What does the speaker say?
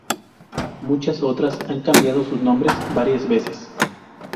Muchas otras han cambiado sus nombres varias veces.